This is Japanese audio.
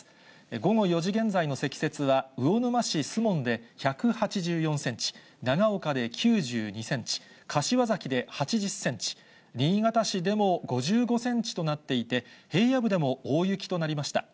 午後４時現在の積雪は魚沼市守門で１８４センチ、長岡で９２センチ、柏崎で８０センチ、新潟市でも５５センチとなっていて、平野部でも大雪となりました。